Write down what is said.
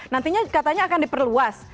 nantinya katanya akan diperluas